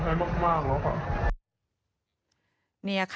ยืนยันว่าจะไม่เคยเกิดเหตุการณ์แบบนี้อีก